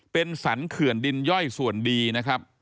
เป็นสรรเขื่อนดินย่อยส่วนดีนะครับ